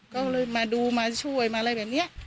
ก็เลยมาดูมาช่วยมาอะไรแบบนี้